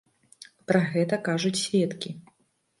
Пра гэта кажуць сведкі.